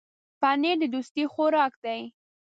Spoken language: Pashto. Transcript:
پنېر د دوستۍ خوراک دی.